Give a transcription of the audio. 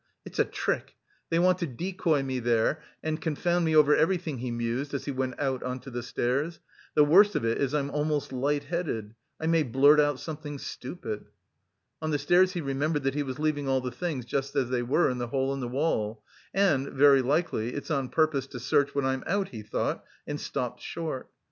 "It's a trick! They want to decoy me there and confound me over everything," he mused, as he went out on to the stairs "the worst of it is I'm almost light headed... I may blurt out something stupid..." On the stairs he remembered that he was leaving all the things just as they were in the hole in the wall, "and very likely, it's on purpose to search when I'm out," he thought, and stopped short.